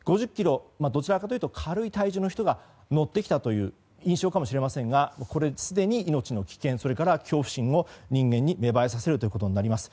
５０ｋｇどちらかというと軽い体重の人が乗ってきたという印象かもしれませんがすでに命の危険、恐怖心を人間に芽生えさせるものとなります。